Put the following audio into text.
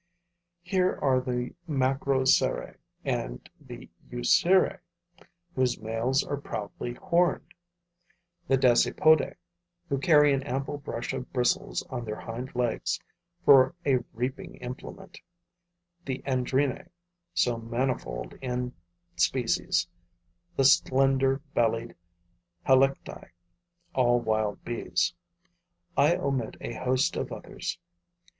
Here are the Macrocerae and the Eucerae, whose males are proudly horned; the Dasypodae, who carry an ample brush of bristles on their hind legs for a reaping implement; the Andrenae, so manifold in species; the slender bellied Halicti [all wild bees]. I omit a host of others.